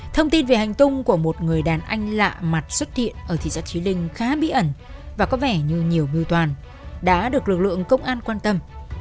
thông tin về hành tung của một người đàn anh lạ mặt xuất hiện ở thị xã trí linh khá bí ẩn và có vẻ như nhiều bi toàn đã được lực lượng công an quan tâm